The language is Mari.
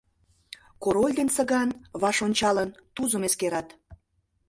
Король ден Цыган, ваш ончалын, Тузым эскерат.